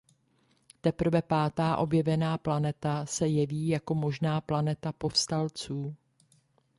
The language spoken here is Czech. Teprve pátá objevená planeta se jeví jako možná planeta povstalců.